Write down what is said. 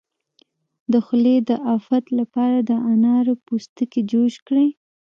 د خولې د افت لپاره د انار پوستکی جوش کړئ